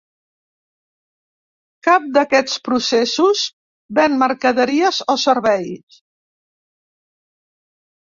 Cap d'aquests processos ven mercaderies o serveis.